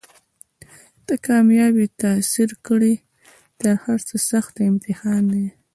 ته کامیاب یې تا تېر کړی تر هرڅه سخت امتحان دی